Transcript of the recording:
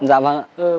dạ vâng ạ